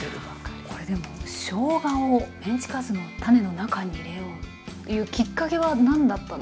これでもしょうがをメンチカツのタネの中に入れようというきっかけは何だったんですか？